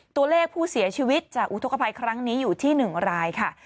ตัวเลขผู้เสียชีวิตจากอุทธกภัยครั้งนี้อยู่ที่๑รายค่ะ